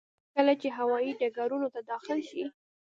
کله چې هوايي ډګرونو ته داخل شي.